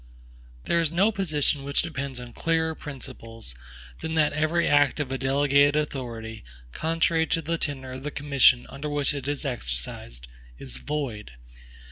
There is no position which depends on clearer principles, than that every act of a delegated authority, contrary to the tenor of the commission under which it is exercised, is void.